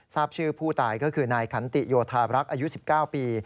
ทราบชื่อผู้ตายก็คือนายขันติโยธารักษ์อายุ๑๙ปี